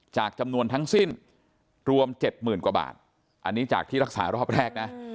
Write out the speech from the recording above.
จำนวนทั้งสิ้นรวม๗๐๐๐กว่าบาทอันนี้จากที่รักษารอบแรกนะ